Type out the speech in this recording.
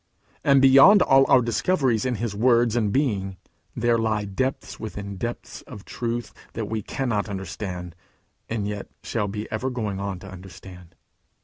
And beyond all our discoveries in his words and being, there lie depths within depths of truth that we cannot understand, and yet shall be ever going on to understand.